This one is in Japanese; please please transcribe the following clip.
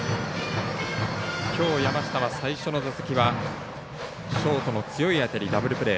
きょう山下は最初の打席はショートの強い当たりダブルプレー。